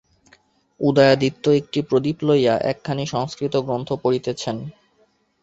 উদয়াদিত্য একটি প্রদীপ লইয়া একখানি সংস্কৃত গ্রন্থ পড়িতেছেন।